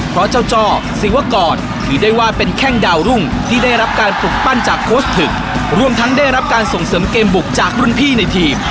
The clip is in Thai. เพราะเจ้าจ้อศิวกรถือได้ว่าเป็นแข้งดาวรุ่งที่ได้รับการปลุกปั้นจากโค้ชถึกรวมทั้งได้รับการส่งเสริมเกมบุกจากรุ่นพี่ในทีม